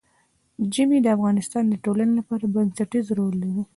ژمی د افغانستان د ټولنې لپاره بنسټيز رول لري.